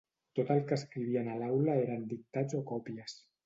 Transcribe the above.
Tot el que escrivien a l'aula eren dictats o còpies.